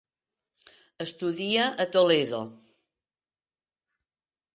Estudia a Toledo.